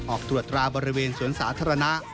ออกตรวจตราบริเวณสวนสาธารณะ